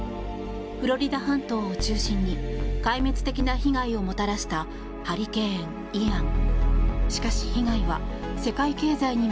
フロリダ半島を中心に壊滅的な被害をもたらしたハリケーン、イアン。